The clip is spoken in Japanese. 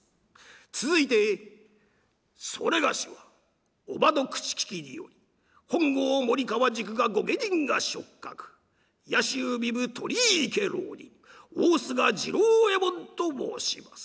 続いて「それがしはおばの口利きにより本郷森川宿が御家人が食客野州壬生鳥居家浪人大須賀次郎右衛門と申します。